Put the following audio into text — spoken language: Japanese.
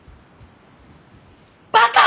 バカ！